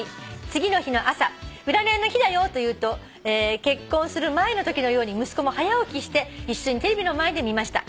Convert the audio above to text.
次の日の朝占いの日だよと言うと結婚する前のときのように息子も早起きして一緒にテレビの前で見ました。